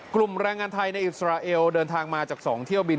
แรงงานไทยในอิสราเอลเดินทางมาจาก๒เที่ยวบิน